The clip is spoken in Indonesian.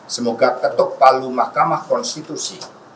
semoga ketuk palu mahkamah konstitusi